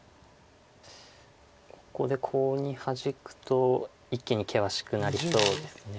ここでコウにハジくと一気に険しくなりそうです。